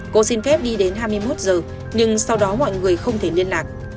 cô xin phép đi đến hai mươi một giờ nhưng sau đó mọi người không thể liên lạc